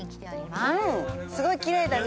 すごいきれいだね。